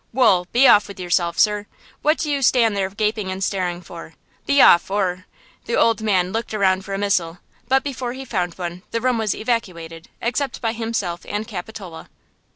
Wool, be off with yourself, sir; what do you stand there gaping and staring for? Be off, or–" the old man looked around for a missile, but before he found one the room was evacuated except by himself and Capitola.